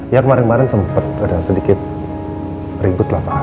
ya kemarin kemarin sempat ada sedikit ribut lah pak